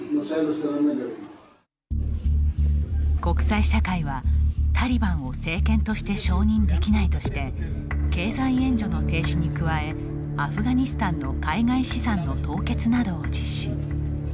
国際社会は、タリバンを政権として承認できないとして経済援助の停止に加えアフガニスタンの海外資産の凍結などを実施。